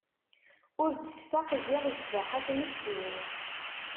Ur d-tfaq ziɣ ccbaḥa tmessu.